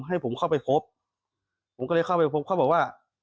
ให้ผมเข้าไปพบผมก็เลยเข้าไปพบเขาบอกว่า